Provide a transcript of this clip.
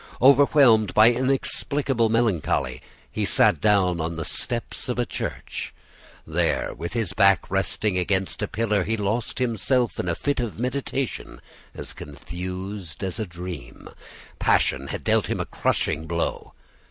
Overwhelmed by inexplicable melancholy, he sat down on the steps of a church. There, with his back resting against a pillar, he lost himself in a fit of meditation as confused as a dream. Passion had dealt him a crushing blow.